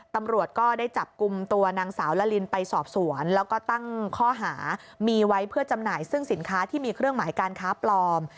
ตำรวจก็ได้จับกลุ่มตัวนางสาวละลินไปสอบสวนแล้วก็ตั้งข้อหามีไว้เพื่อจำหน่ายซึ่งสินค้าที่มีเครื่องหมายการค้าปลอม